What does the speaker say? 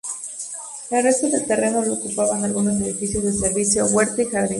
El resto del terreno lo ocupaban algunos edificios de servicio, huerta y jardín.